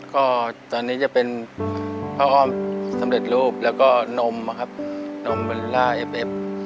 ก็ตอนนี้จะเป็นพระอ้อมสำเร็จรูปแล้วก็นมนะครับนมเบลล่าเอเป็บ